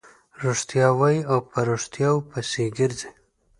رښتیا وايي او په ريښتیاوو پسې ګرځي.